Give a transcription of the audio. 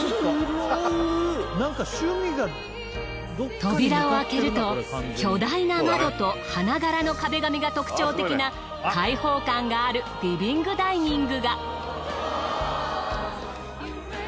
扉を開けると巨大な窓と花柄の壁紙が特徴的な開放感があるリビングダイニングが。